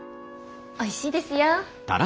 おいしいですよ。